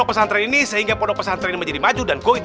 kemana sih lagi